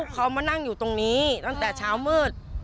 เขามานั่งอยู่ตรงนี้ตั้งแต่เช้ามืด